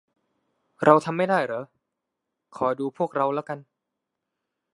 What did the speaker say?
เราทำไม่ได้หรอ คอยดูพวกเราละกัน